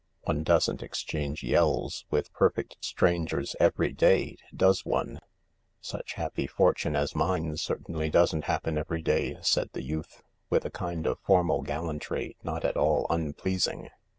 One doesn't exchange yells with perfect strangers every day, does one ?"" Such happy fortune as mine certainly doesn't happen every day," said the youth, with a kind of formal gallantr|S not at all unpleasing.